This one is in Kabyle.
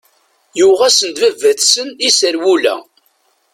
Yuɣ-asen-d baba-tsen iserwula.